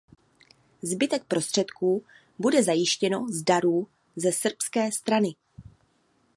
Zbytek prostředků bude zajištěno z darů ze srbské strany.